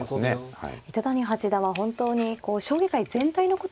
はい。